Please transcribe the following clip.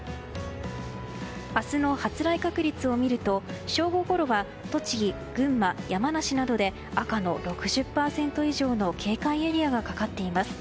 明日の発雷確率を見ると正午ごろは栃木、群馬、山梨などで赤の６０％以上の警戒エリアがかかっています。